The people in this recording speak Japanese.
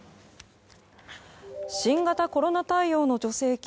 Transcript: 新型コロナ対応の助成金